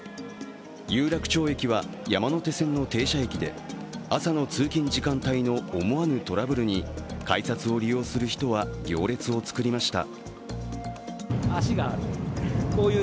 有楽町駅は山手線の停車駅で朝の通勤時間帯の思わぬトラブルに改札を利用する人は行列を作りました。